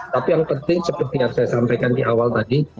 tapi yang penting seperti yang saya sampaikan di awal tadi